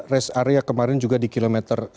rest area kemarin juga di kilometer